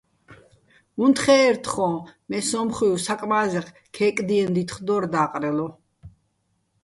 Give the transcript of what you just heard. უნთხე́ჸერ თხოჼ, მე სო́მხუჲვ საკმა́ზეღ ქეკდიენო̆ დითხ დო́რ და́ყრელო.